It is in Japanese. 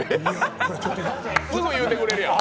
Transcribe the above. すぐ言うてくれるやん！